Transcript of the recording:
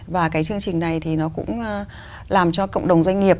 và cái chương trình này thì nó cũng làm cho cộng đồng doanh nghiệp